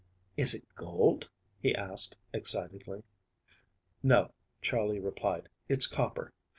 "Is it gold?" he asked, excitedly. "No," Charley replied. "It's copper.